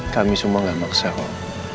kami semua gak maksa kok